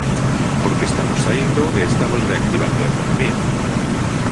Porque estamos saíndo e estamos reactivando a economía.